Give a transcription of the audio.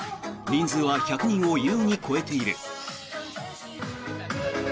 人数は１００人を優に超えている。